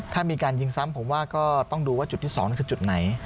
ถ้ามีการยิงซ้ำผมว่าก็ต้องดูว่าจุดที่๒คือจุดไหน